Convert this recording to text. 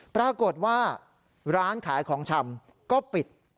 ปรากฏว่าร้านขายของชำก็ปิด